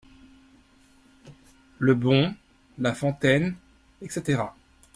Le bon La Fontaine, Etc.